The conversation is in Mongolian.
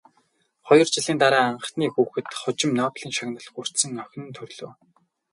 Хоёр жилийн дараа анхны хүүхэд, хожим Нобелийн шагнал хүртсэн охин нь төрлөө.